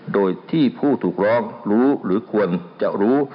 โดยที่ผู้ถูกร้องรู้หรือควรจะรู้